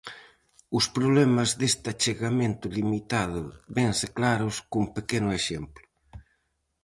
Os problemas deste achegamento limitado vense claros cun pequeno exemplo.